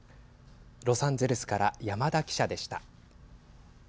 ロサンゼルスから山田記者でした。